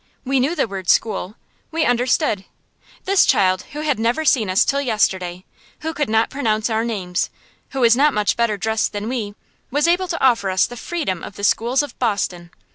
We knew the word school. We understood. This child, who had never seen us till yesterday, who could not pronounce our names, who was not much better dressed than we, was able to offer us the freedom of the schools of Boston!